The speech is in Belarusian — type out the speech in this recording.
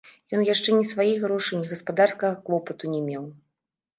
Ён яшчэ ні сваіх грошай, ні гаспадарскага клопату не меў.